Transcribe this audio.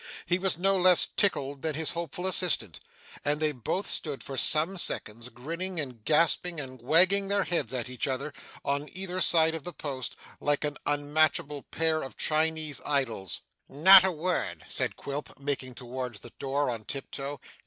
He was no less tickled than his hopeful assistant, and they both stood for some seconds, grinning and gasping and wagging their heads at each other, on either side of the post, like an unmatchable pair of Chinese idols. 'Not a word,' said Quilp, making towards the door on tiptoe.